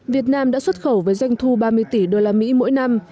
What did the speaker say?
việt nam đã xuất khẩu với doanh thu ba mươi tỷ usd mỗi năm